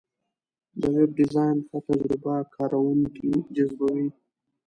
د ویب ډیزاین ښه تجربه کارونکي جذبوي.